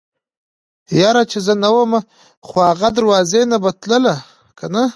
يره چې زه نه ومه خو اغه دروازې نه به تله کنه.